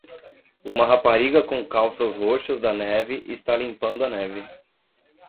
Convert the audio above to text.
Uma rapariga com calças roxas da neve está limpando a neve.